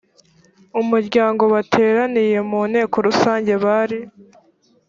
umuryango bateraniye mu nteko rusange bari